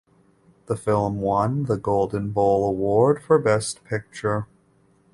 The film won the "Golden Boll Award for Best Picture".